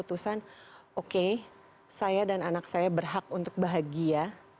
utusan oke saya dan anak saya berhak untuk bahagia